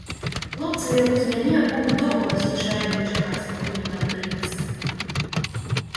Хлопцы ў яго звяне могуць доўга вазіць шайбу і чакаць, пакуль ён адкрыецца.